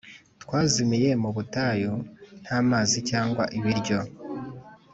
twazimiye mu butayu nta mazi cyangwa ibiryo.